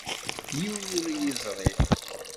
Yiwen ur iyi-yeẓri.